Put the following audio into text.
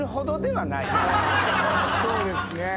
そうですね。